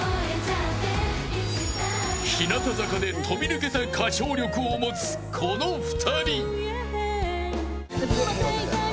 日向坂で飛び抜けた歌唱力を持つこの２人。